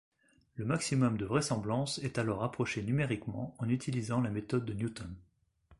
Le maximum de vraisemblance est alors approché numériquement en utilisant la méthode de Newton.